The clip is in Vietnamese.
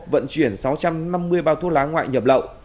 vận chuyển sáu trăm năm mươi bao thuốc lá ngoại nhập lậu